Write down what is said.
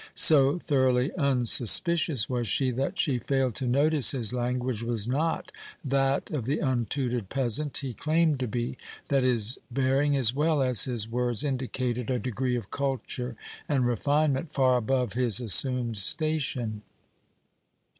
So thoroughly unsuspicious was she, that she failed to notice his language was not that of the untutored peasant he claimed to be, that his bearing as well as his words indicated a degree of culture and refinement far above his assumed station.